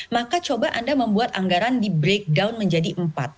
maka coba anda membuat anggaran di breakdown menjadi empat